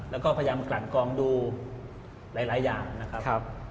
แล้วก็พยายามกลั่นกองดูหลายอย่างนะครับ